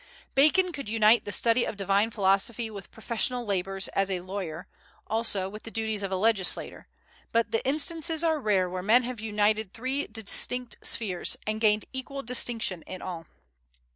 Bacon could unite the study of divine philosophy with professional labors as a lawyer, also with the duties of a legislator; but the instances are rare where men have united three distinct spheres, and gained equal distinction in all.